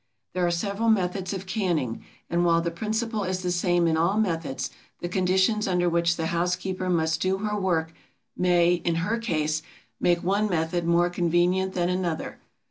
There are several methods of canning; and while the principle is the same in all methods, the conditions under which the housekeeper must do her work may, in her case, make one method more convenient than another.